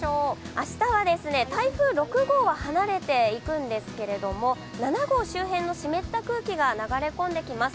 明日は台風６号は離れていくんですけれども、７号周辺の湿った空気が流れ込んできます。